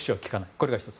これが１つ。